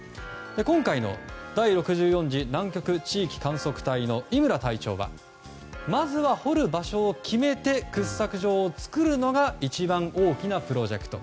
今回の第６４次南極地域観測隊の伊村隊長はまずは掘る場所を決めて掘削場を作るのが一番大きなプロジェクト。